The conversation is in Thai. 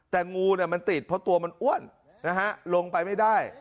แต่งูมันติดเพราะตัวมันอ้วนนะฮะลงไปไม่ได้